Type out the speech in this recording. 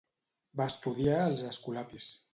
Va estudiar als escolapis.